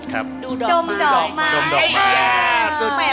ดมดอกไม้